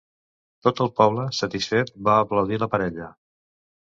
Tot el poble, satisfet, va aplaudir la parella.